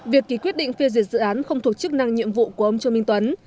việc ký quyết định phiêu diệt dự án không thuộc chức năng nhiệm vụ của ông trương minh tuấn